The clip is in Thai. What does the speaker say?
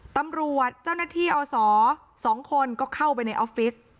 ตำรวจเจ้าหน้าที่อศ๒คนก็เข้าไปในออฟฟิศ